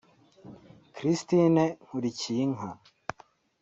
Christine Nkulikiyinka